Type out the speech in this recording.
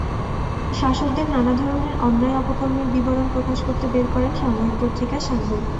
শাসকদের নানা ধরনের অন্যায়-অপকর্মের বিবরণ প্রকাশ করতে বের করেন সাময়িক পত্রিকা সাংগু।